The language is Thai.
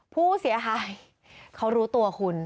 ผู้เสียหายเขารู้ตัวคุณ